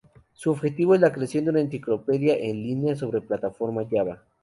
Su objetivo es la creación de una enciclopedia en línea sobre la plataforma Java.